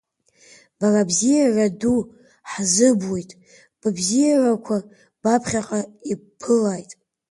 Бара абзиара ду ҳзыбуеит, быбзиарақәа баԥхьаҟа ибԥылааит!